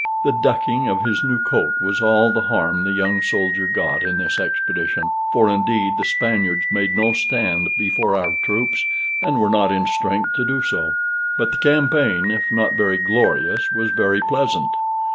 The ducking of his new coat was all the harm the young soldier got in this expedition, for, indeed, the Spaniards made no stand before our troops, and were not in strength to do so. But the campaign, if not very glorious, was very pleasant.